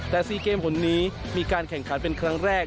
แต่๔เกมผลนี้มีการแข่งขันเป็นครั้งแรก